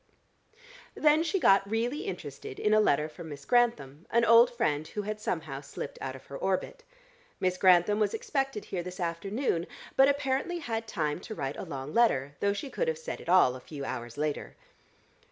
Then she got really interested in a letter from Miss Grantham, an old friend who had somehow slipped out of her orbit. Miss Grantham was expected here this afternoon, but apparently had time to write a long letter, though she could have said it all a few hours later.